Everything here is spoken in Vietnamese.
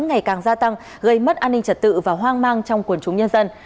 ngày càng gia tăng gây mất an ninh trật tự và hoang mang trong quần chúng nhân dân